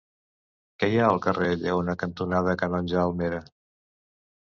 Què hi ha al carrer Lleona cantonada Canonge Almera?